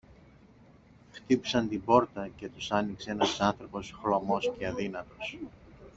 Χτύπησαν την πόρτα και τους άνοιξε ένας άνθρωπος χλωμός και αδύνατος